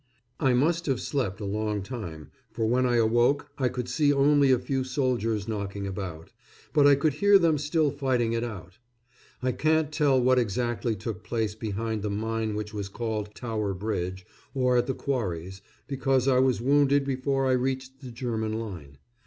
I must have slept a long time, for when I awoke I could see only a few soldiers knocking about; but I could hear them still fighting it out. I can't tell what exactly took place behind the mine which was called Tower Bridge or at the quarries, because I was wounded before I reached the German line.